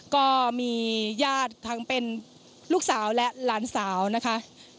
ก็มีญาติทั้งเป็นลูกสาวและหลานสาวนะคะ